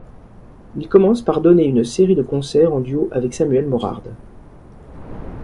Il commence par donner une série de concerts en duo avec Samuel Morard.